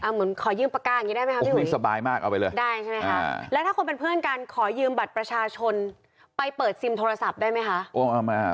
เหมือนขอยืมปากก้าอย่างนี้ได้ไหมครับพี่หุยได้ใช่ไหมครับแล้วถ้าคนเป็นเพื่อนกันขอยืมบัตรประชาชนไปเปิดซิมโทรศัพท์ได้ไหมคะ